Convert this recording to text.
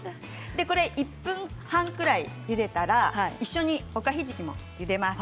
１分半くらい、ゆでたら一緒におかひじきもゆでます。